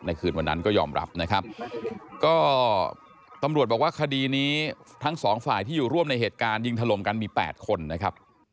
คืนวันนั้นก็ยอมรับนะครับก็ตำรวจบอกว่าคดีนี้ทั้งสองฝ่ายที่อยู่ร่วมในเหตุการณ์ยิงถล่มกันมี๘คนนะครับ